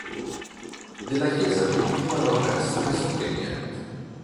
Della chiesa primitiva non resta pressoché niente.